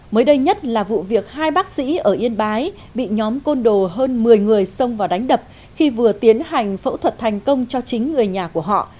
mới đây nhất là vụ việc hai bác sĩ ở yên bái bị nhóm côn đồ hơn một mươi người xông vào đánh đập khi vừa tiến hành phẫu thuật thành công cho chính người nhà của họ